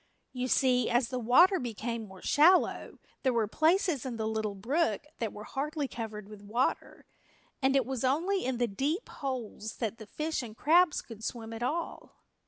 You see, as the water became more shallow there were places in the little brook that were hardly covered with water, and it was only in the deep holes that the fish and crabs could swim at all.